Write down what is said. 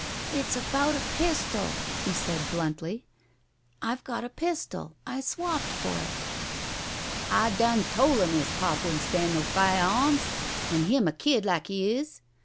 "It's about a pistol," he said, bluntly. "I've got a pistol. I swapped for it." "I done tol' 'im his pop wouldn' stand no fiah awms, an' him a kid like he is.